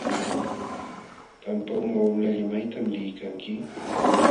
Tampa uma wamlalla ¿maytam liykanki?